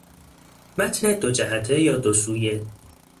متن دو جهته یا دو سویه